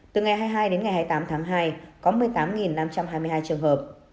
từ ngày hai mươi hai đến ngày hai mươi tám tháng hai có một mươi tám năm trăm hai mươi hai trường hợp